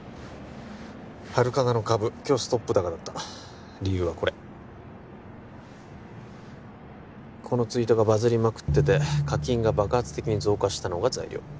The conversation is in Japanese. ハルカナの株今日ストップ高だった理由はこれこのツイートがバズりまくってて課金が爆発的に増加したのが材料